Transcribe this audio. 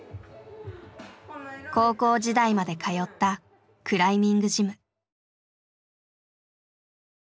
高校時代まで通ったクライミングジム。